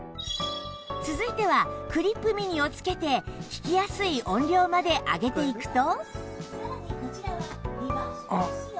続いてはクリップ・ミニを着けて聞きやすい音量まで上げていくと